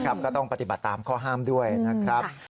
ก็ต้องปฏิบัติตามข้อห้ามด้วยนะครับ